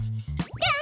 ぴょん！